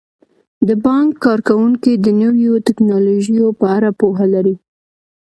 د بانک کارکوونکي د نویو ټیکنالوژیو په اړه پوهه لري.